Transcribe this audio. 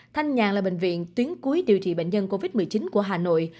thanh nhàn là bệnh viện tuyến cuối điều trị bệnh nhân covid một mươi chín của hà nội